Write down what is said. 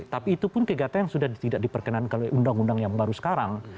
tapi itu pun kegiatan yang sudah tidak diperkenankan oleh undang undang yang baru sekarang